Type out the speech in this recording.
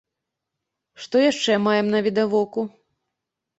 Што яшчэ маем навідавоку?